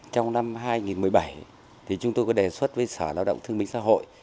trong năm hai nghìn một mươi bảy chúng tôi có đề xuất với sở lao động thương minh xã hội